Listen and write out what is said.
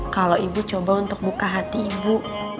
kalau ibu coba untuk buka hati ibu